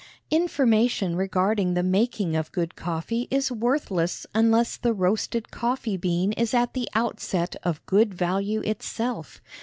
INFORMATION regarding the making of good coffee is worthless unless the roasted coffee bean is at the outset of good value itself.